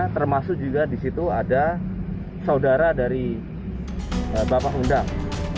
termasuk juga di situ ada saudara dari bapak undang